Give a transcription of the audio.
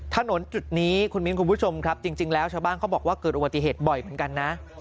ถนนจุดนี้คุณมิ้นคุณผู้ชมครับจริงแล้วชาวบ้านเขาบอกว่าเกิดอุบัติเหตุบ่อยเหมือนกันนะ